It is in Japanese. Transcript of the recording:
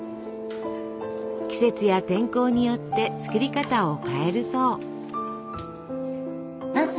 季節や天候によって作り方を変えるそう。